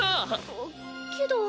あっけど。